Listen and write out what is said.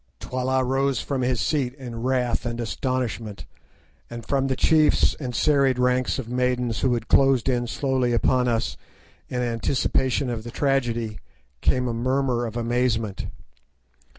Twala rose from his seat in wrath and astonishment, and from the chiefs and serried ranks of maidens who had closed in slowly upon us in anticipation of the tragedy came a murmur of amazement.